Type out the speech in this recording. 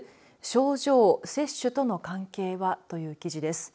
症状・接種との関係は？という記事です。